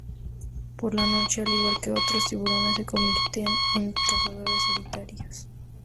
Por la noche, al igual que otros tiburones, se convierten en cazadores solitarios.